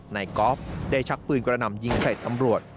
กอล์ฟได้ชักปืนกระหน่ำยิงใส่ตำรวจ